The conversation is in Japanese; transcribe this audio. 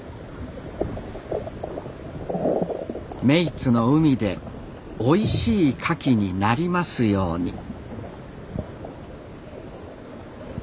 目井津の海でおいしいかきになりますように。